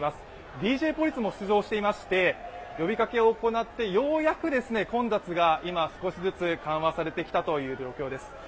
ＤＪポリスも出動していまして、呼びかけを行って、ようやく、今、少しずつ、緩和されてきた状況です。